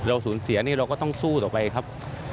สูญเสียนี่เราก็ต้องสู้ต่อไปครับ